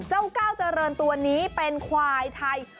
เจ้าก้าวเจริญตัวนี้เป็นควายไทย